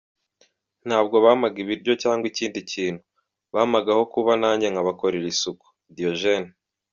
Ntabwo bampaga ibiryo cyangwa ikindi kintu, bampaga aho kuba nanjye nkabakorera isuku - Diogene.